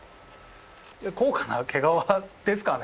高価な毛皮ですかね？